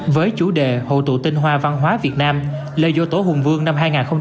với chủ đề hộ tụ tinh hoa văn hóa việt nam lễ dỗ tổ hùng vương năm hai nghìn hai mươi hai